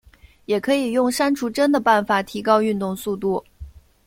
也可以用删除帧的办法提高运动速度。